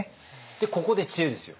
でここで知恵ですよ。